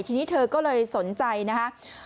ทีนี้เธอก็เลยสนใจนะครับ